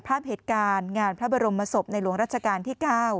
ภาพเหตุการณ์งานพระบรมศพในหลวงรัชกาลที่๙